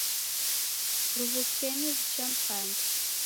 Ruwukenyi wuja mpande.